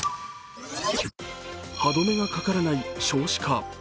歯止めがかからない少子化。